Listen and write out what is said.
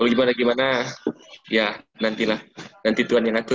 kalau gimana gimana ya nantilah nanti tuhan yang atur